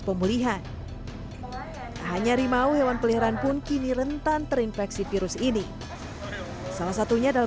pemulihan hanya rimau hewan peliharaan pun kini rentan terinfeksi virus ini salah satunya adalah